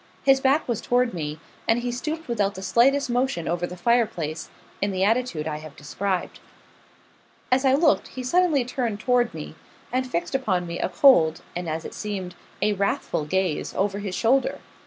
His back was toward me; and he stooped without the slightest motion over the fire place, in the attitude I have described. As I looked, he suddenly turned toward me, and fixed upon me a cold, and as it seemed, a wrathful gaze, over his shoulder.